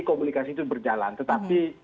komunikasi itu berjalan tetapi